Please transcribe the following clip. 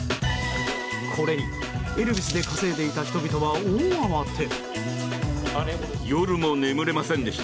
これに、エルビスで稼いでいた人々は大慌て。